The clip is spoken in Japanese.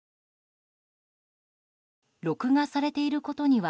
録画されていることには